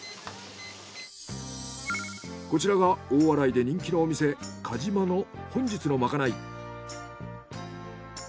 こちらが大洗で人気のお店かじまの本日のまかない。